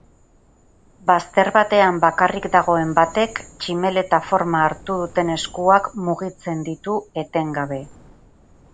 Bazter batean bakarrik dagoen batek tximeleta forma hartu duten eskuak mugitzen ditu etengabe.